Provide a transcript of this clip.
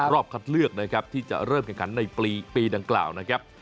รอบคัดเลือกนะครับที่จะเริ่มแข่งขันในปีดังกล่าวนะครับ